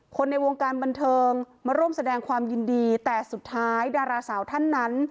คนในวงการบันเทิงมาร่วมแสดงความยินดีแต่สุดท้ายดาราสาวท่านนั้น